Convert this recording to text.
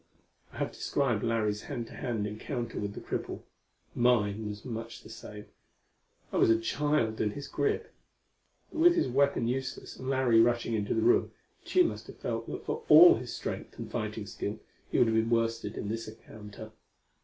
I have described Larry's hand to hand encounter with the cripple; mine was much the same; I was a child in his grip. But with his weapon useless, and Larry rushing into the room, Tugh must have felt that for all his strength and fighting skill he would be worsted in this encounter.